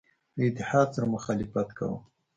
له اتحاد سره مخالفت کاوه.